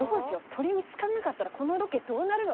鳥見つかんなかったらこのロケどうなるの？」